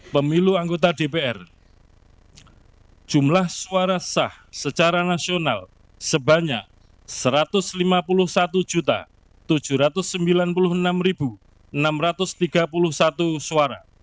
pemilu anggota dpr jumlah suara sah secara nasional sebanyak satu ratus lima puluh satu tujuh ratus sembilan puluh enam enam ratus tiga puluh satu suara